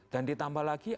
dan ditambah lagi